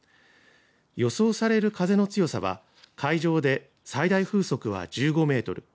予想される風の強さは海上で最大風速は１５メートル